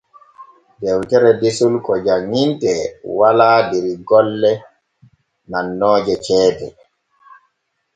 Dewtere desol ko janŋintee walaa der golle nannooje ceede.